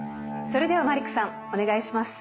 それではマリックさんお願いします。